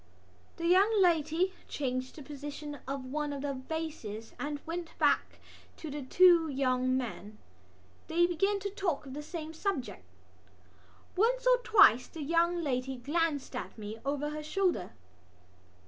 The young lady changed the position of one of the vases and went back to the two young men. They began to talk of the same subject. Once or twice the young lady glanced at me over her shoulder.